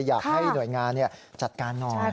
อยากให้หน่วยงานจัดการหน่อย